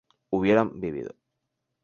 hubieran vivido